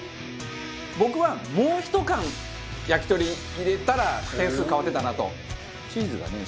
僕はもう１缶焼き鳥入れたら点数変わってたなと。